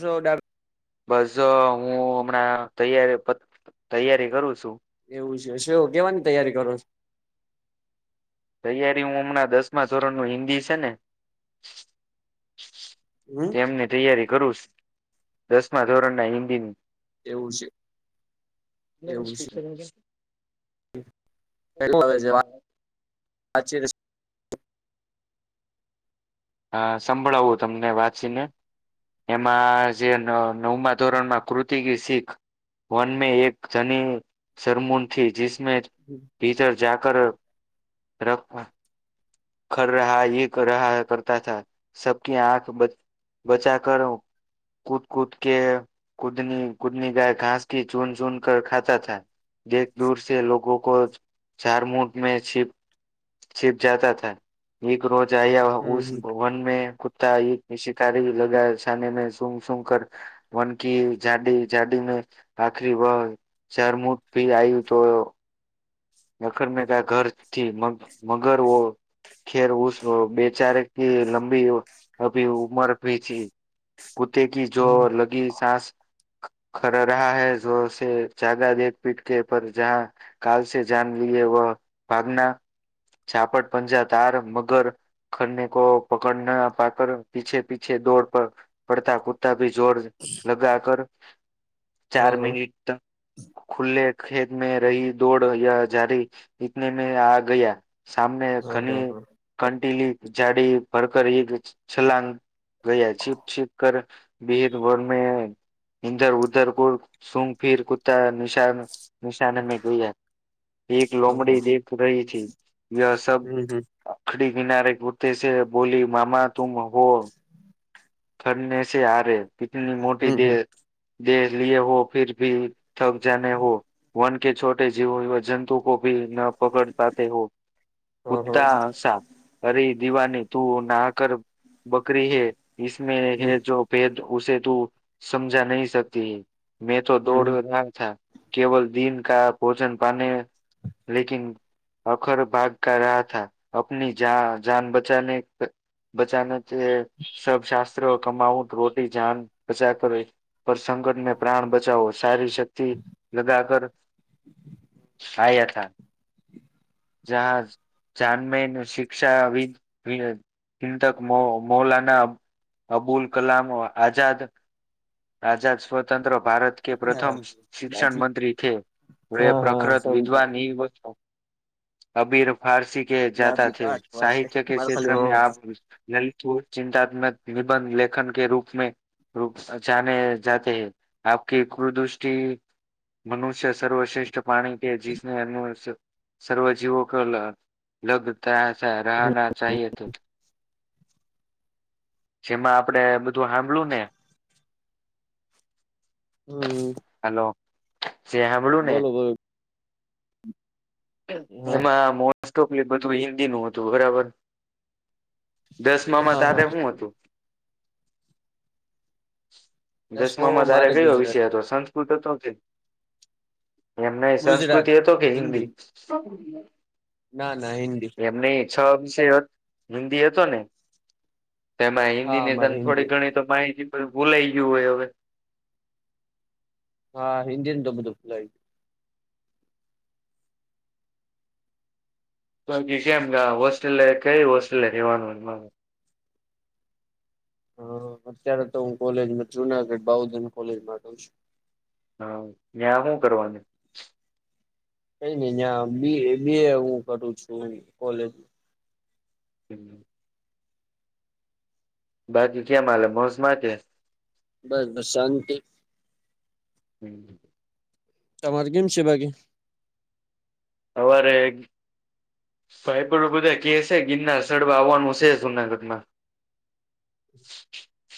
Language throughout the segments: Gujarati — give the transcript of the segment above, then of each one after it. સો ડબ બસ હું હમણાં તૈયારી ક તૈયારી કરું છું. એ છે શું કેવાની તૈયારી કરો છો? તૈયારી હું હમણાં દસમા ધોરણ નું હિન્દી છે ને હમ તેમની તૈયારી કરું દસમા ધોરણ ના હિન્દી. એવું છે એવું [unintelligible] [unintelligible] હા સંભળાવું તમને વાંચીને એમાં જે ન નવમાં ધોરણમાં કૃતકી શીખ વન મે એક ધની શરમુન થી જીસ મેં ભીતર જા કર રખા ખ રહ કર કરતા થ સબકી આંખ બ બચા કર હ કૂદ કૂદ કે કુદની કુદની ગાય ઘાસ ક ચૂન ચૂન કર ખાતા થા એક દૂરસે લોકો કો ઝારમુંડ મે છિપ છિપ જાતા થ એક રોજ આયા ભવન મે કુત્તા એક શિકારી લગા છને મે સુમ સુમ કર વન કી ઝાડી ઝાડી મે આખરી વય ઝરમુટ ભી આવ્યું તો નખર ને કહા ઘરથી મગર વો ખેર ઉસ બેચારે કી લંબી અભી ઉમર ભી થી કુતે કી જો લગી સાસ ખ રહા હૈ જોરસે જાદા દેખ પીટ કે પર જહ કાલસે જાન લએ વ ભાગના છાપટ પંજા તાર મગર ખરને કો પકડ ના પાકર પીછે પીછે દોડ પર પડતા કુત્તા ભી જોર લગા કર ચાર મિનટ ખુલ્લે ખેત મે રહી દોડહી જારી ઈતને મે આ ગયા સામને ઘની કંટીલી જાડી ભરકર એક છલાંગ ગયા છીપ છીપ કર ભડભોર મે ઇધર ઉધર કો સુંઘ ફિર કુત્તા નિશાન નિશાન મે ગયા. એક લમડી દેખ રહી થથી એ સબ અખડી કિનારે પરતે છે બોલી મામા તુમ હો થરને છે આ ર કીતની મોટી દે દેહ લ હો ફર ભી થક જાને હો વન કે છોટે જીવો જંતુ કો ન પકડ પાતે હો કુતા હસા હરી દિવાની તું નહ કર બકરી હૈ મે હૈ જો ભેદ ઉસે તું સમજા નહી શકતી હૈ મેં તો દોડ છે રહા થા. કેવલ દિન કા ભોજન પાને લેકીન અખર ભાગ કર રહા થ આપની જા જાન બચાને બચાને તે સબ શાસ્ત્ર કમાવું રોટી જાન બચા કર પર સકટને પ્રાણ બચાવો સારી ક્તિ લગા કર [inaudible] આયા થા. જહાજ જાનમે શિક્ષા હિ તક મો મોલના અબુલ કલામ આઝાદ આઝાદ સ્વતંત્ર ભારત કે પ્રથમ શિક્ષણ બાકી મંત્રી થે વ હા હા પ્રખત વિધવા સમજાણું નિવ અભી ર ફારસી કે જાતા ડાબી થે પાઠ પાસે સાહિત્ય કે મારે ખાલી ક્ષેત્રમાં આ લલિત ચિંતાત્મક નિબંધ લેખન કે રૂપ મે ર જાને જાતે હૈ આપકી ક્રુદૃષ્ટિ મનુષ્ય સર્વશ્રેષ્ઠ પ્રાણી કે જીસને અન સર્વ જીવો કરલા લભ તા રહના ચાએ તો જેમાં આપડે બધું હાભળુ ને હમમ. હાલો જે હાભળુ ને હા એમાં મોસ્ટ ઓફલી બધું હિન્દી નું હતું બરાબર. દસમામાં હા હા તારે હું હતું? દસમામાં તારે મારે કયો ગુજરાત વિષય હતો સંત સંસ્કૃત હતો કે એમને સંસ્કૃતિ હતો કે હિન્દી [inaudible] ના ના હિન્દી. એમ નઈ છ વિષ હિન્દી હતો ને તેમાં હિન્દી હા ની મારે તને હિન્દી થોડીક ઘણી તો માહિતી ભૂલાઈ ગયું હોય હવે હા હિન્દીને તો બધું ભૂલાય તોકી કેમ હોસ્ટેલે કઈ હોસ્ટેલે રેવાનું મારે [inaudible] હા અત્યારે તો હું કોલેજ જુનાગઢ બાઉુદન કોલેજ મા જાવ છું. હા તયાં હું કરવાનું? કઈ નઈ જ્યાં બ બી એ હું કરું છું કોલેજ. હમમ. બાકી કેમ હાલે બસમાં કે બસ શાંતિ. હમમ. તમારે કેમ છે વાાગે? [unintelligible] ભાઈપડ બધા કેહે છે ગિરનાર ચઢવા આવવાનું છે જુનાગઢમાં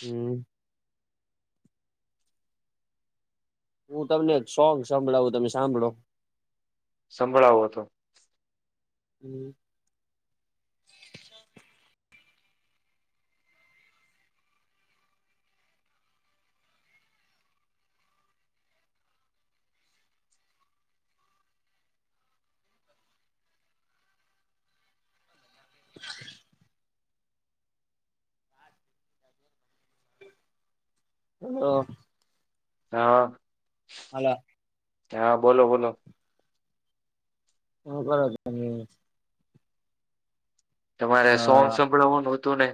હમમ. હું તમને એક સોંગ સંભળાવું તમે સાંભળો. સંભળાવો તો. હમમ. [inaudible] હેલો. હા. હાલ હા બોલો બોલો. હા બરાબર ને તમારે અલા સોગ સંભળાવવાનું હતું ને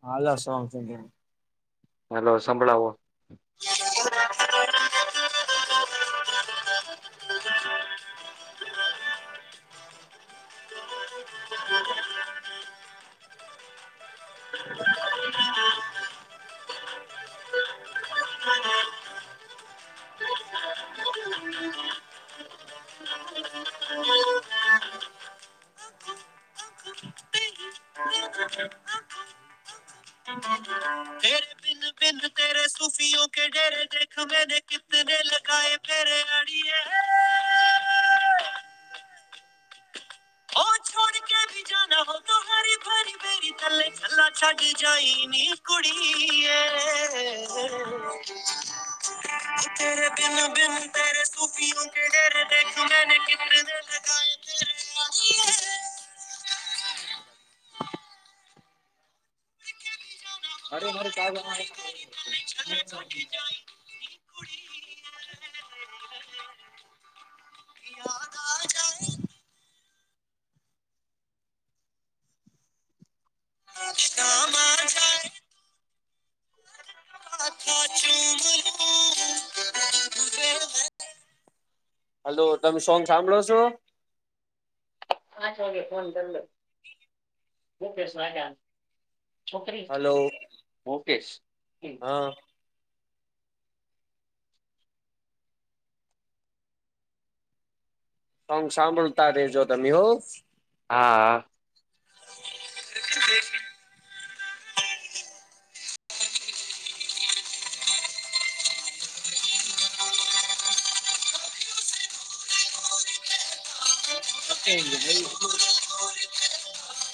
હા અલા છે સોંગ [unintelligible] ની હલો સંભળાવો. [unintelligible] [unintelligible] [unintelligible] [unintelligible] હમ હમ હ બિદ તેરે સુફીઓ કે ડેરે દ ખભેદ કત દ લ આાય પેરે આડી એ [unintelligible] ઓ છોડકે ભી જના હો તો હરે ભરી ભેરી થલે થલા છાડી જાય ની કડી તે્યારે તન તન તરે સુૂફીઓ કે ઘરેને કે ગ [unintelligible] અરે મારે ક યાદ આ જાય હલો તમે સોંગ સાંભળો છો પાંચ વાગે ફોન કરી દો મુકેશ્યા છોકરી હલો ઓકે હા સોંગ સાંભળતા રેજો તમે હો હા દ અ [unintelligible]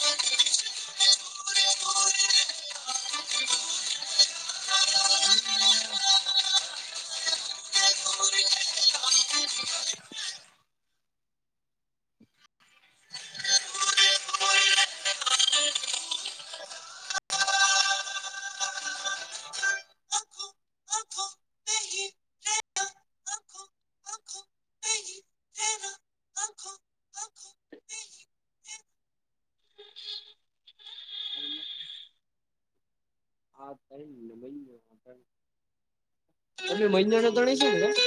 [unintelligible] તમે મહિના ના તણશો ને ત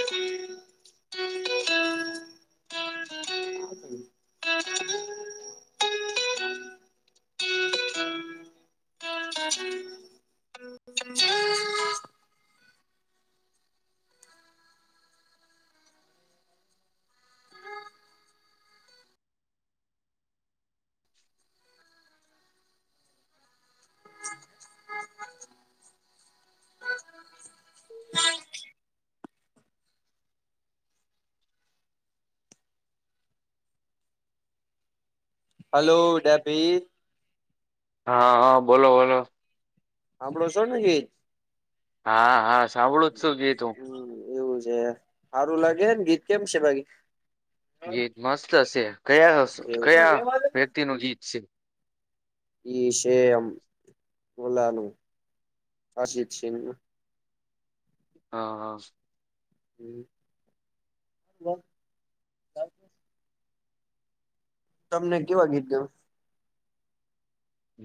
હલો ડેબી હા હા બોલો બોલો સાંળો છો ને ગીત? હા હા સાંભળો જસવ ગીતું. હમ એવું છે સારું લાગેને ગીત કેમ છે બાકી ગીત મસ્ત હશે કયા એવું કયા વ્યક્તિ નું ગીત છે શયમ છે એમ એલાનું અરજીશિંગ નું. હા હા. હમ્મ. તમને કેવા ગીત ગયો?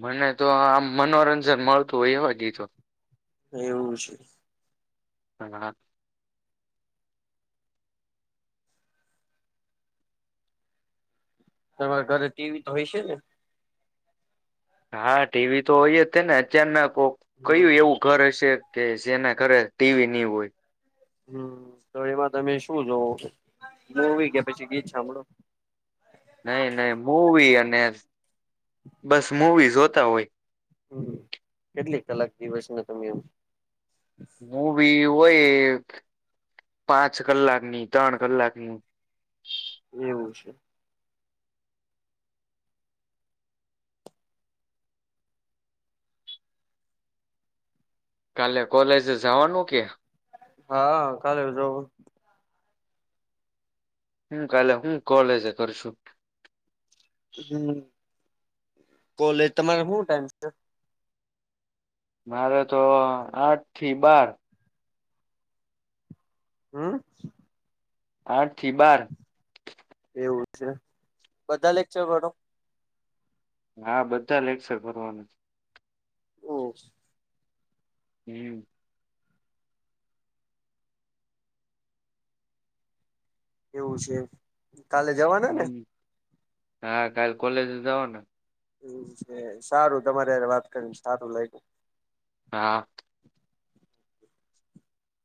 મને તો આમ મનોરંજન મળતું હોય એવા ગીતો એવું છે. હણા. તમારે ઘરે ટીવી તો હોય છે ને હા ટીવી તો હોય જ ને અચાનક કયું એવું ઘર હશે કે જેના ઘરે ટીવી ની હોય. હમ તો એમાં તમે શું જોવ? હવી ગયા પછી ગીત સાંભળો નઈ નહી મૂવી અને બસ મુવી જોતા હોય. હમ્મ કેટલીક કલાક દિવસ ને તમે એમ હું બી હોય એક પાંચ કલાકની ત્રણ કલાકની એવું છે. કાલે કોલેજ જવાનું કે હા કાલે જો હું કાલે હું કોલેજ કરશું હમ કોલેજ તમારે શું ટાઈમ છે મારે તો આઠ, થી બાર. હમ્મ આઠ થી, બાર. એવું છે. બધા લેક્ચર કરો? હા, બધા લેક્ચર ભરવાનું. ઓહ હમ્મ એવું છે. કાલે જવાના ને? હમ હા, કાલ કોલેજ જઓના હ, સારુ તમારે વાત કરીને સારુ લાગ્યુ હા.